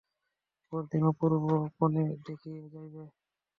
পরদিন অপূর্ব কনে দেখিতে যাইবে।